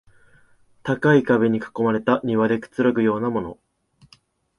高い壁に囲まれた庭でくつろぐようなもの